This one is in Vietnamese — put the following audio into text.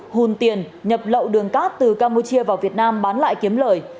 hùn tiền nhập lậu đường cát từ campuchia vào việt nam bán lại kiếm lời